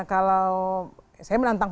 kalau saya menantang